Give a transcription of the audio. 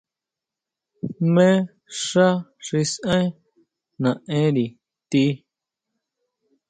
¿Jmé xá xi saʼen naʼénri ti?